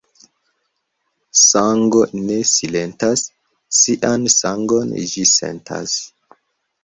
Sango ne silentas, sian sangon ĝi sentas.